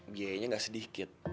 biayanya enggak sedikit